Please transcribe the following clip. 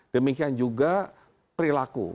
demikian juga perilaku